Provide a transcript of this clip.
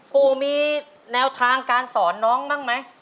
ปู่มีแนวทางการสอนน้องบ้างไหม